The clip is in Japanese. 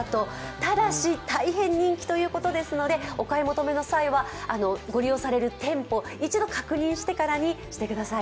ただし大変人気ということですので、お買い求めの際にはご利用される店舗を一度確認してからにしてください。